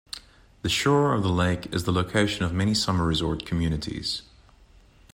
The shore of the lake is the location of many summer resort communities.